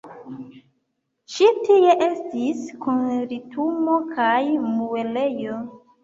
Ĉi tie estis kortumo kaj muelejo.